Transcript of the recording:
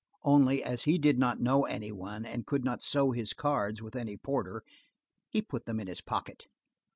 Only, as he did not know any one and could not sow his cards with any porter, he put them in his pocket.